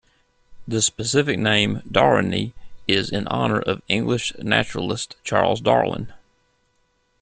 The specific name, "darwini", is in honor of English naturalist Charles Darwin.